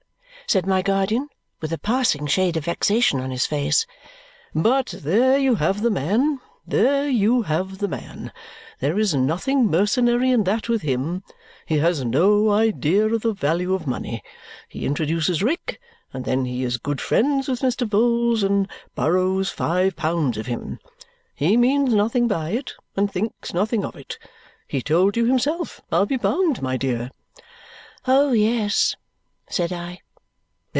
said my guardian with a passing shade of vexation on his face. "But there you have the man. There you have the man! There is nothing mercenary in that with him. He has no idea of the value of money. He introduces Rick, and then he is good friends with Mr. Vholes and borrows five pounds of him. He means nothing by it and thinks nothing of it. He told you himself, I'll be bound, my dear?" "Oh, yes!" said I.